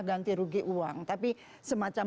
ganti rugi uang tapi semacam